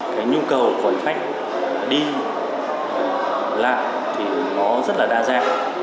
cái nhu cầu của khách đi làm thì nó rất là đa dạng